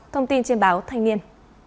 thông tin trên báo thanh niên